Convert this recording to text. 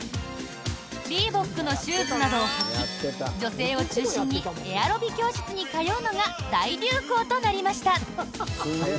リーボックのシューズなどを履き女性を中心にエアロビ教室に通うのが大流行となりました。